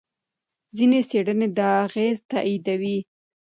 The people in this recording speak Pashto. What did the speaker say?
ځینې څېړنې دا اغېز تاییدوي.